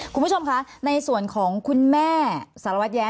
คุณผู้ชมคะในส่วนของคุณแม่สารวัตรแย้